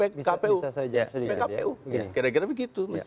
bisa saya jawab sedikit ya